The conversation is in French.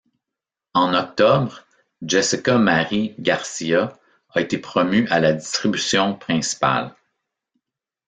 En octobre, Jessica Marie Garcia a été promue à la distribution principale.